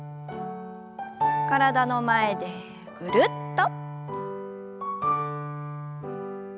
体の前でぐるっと。